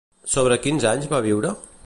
Sobre quins anys va viure?